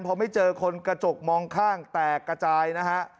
พอไม่เจอคนกระจกมองข้างแตกกระจายนะฮะ